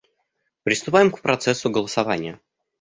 Приступаем к процессу голосования.